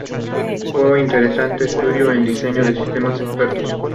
Fue un interesante estudio en diseño de sistemas expertos.